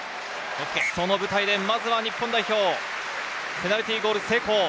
その舞台でまずは日本代表、ペナルティーゴール成功。